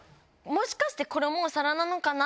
もしかしてこれもお皿なのかな？